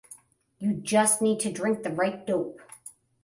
You just need to drink the right dope.